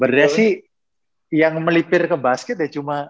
beneran sih yang melipir ke basket ya cuma